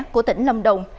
của tỉnh lâm đồng